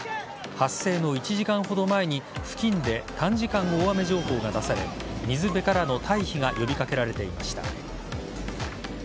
発生の１時間ほど前に付近で短時間大雨情報が出され水辺からの退避が呼び掛けられていました。